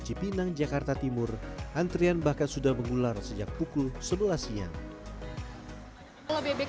cipinang jakarta timur antrian bahkan sudah menggular sejak pukul dua belas siang kalau bebek